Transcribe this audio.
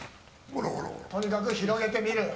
とにかく広げてみる。